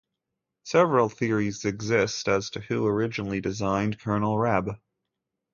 Several theories exist as to who originally designed Colonel Reb.